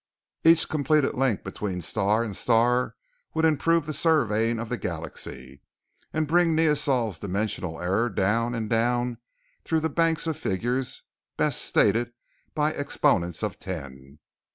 Each completed link between star and star would improve the surveying of the galaxy and bring Neosol's dimensional error down and down through the banks of figures best stated by exponents of ten.